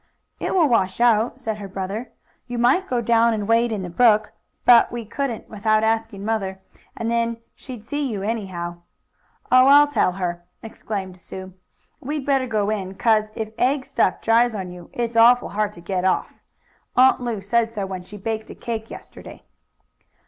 "It will wash out," said her brother. "You might go down and wade in the brook. But we couldn't, without asking mother, and then she'd see you anyhow." "Oh, I'll tell her!" exclaimed Sue. "We'd better go in, 'cause if egg stuff dries on you it's awful hard to get off. Aunt Lu said so when she baked a cake yesterday."